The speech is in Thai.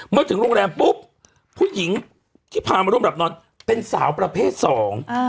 เมื่อถึงโรงแรมปุ๊บผู้หญิงที่พามาร่วมหลับนอนเป็นสาวประเภทสอง